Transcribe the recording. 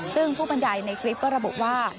ซึ่งผู้บันไดในคลิปก็ระบุว่า